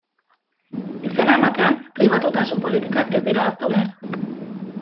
Izena ematean, pribatutasun politikak ez dira ahaztu behar.